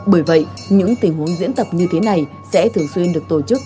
bởi vậy những tình huống diễn tập như thế này sẽ thường xuyên được tổ chức